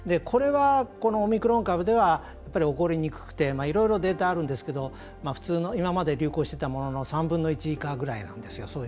これは、このオミクロン株では起こりにくくていろいろデータあるんですけど普通の今まで流行していたものの３分の１以下ぐらいなんですよ。